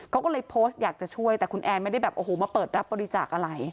เขาก็เลยโพสต์อยากจะช่วยแต่คุณแอนไม่ได้แบบโอ้โหมาเปิดรับบริจาคอะไร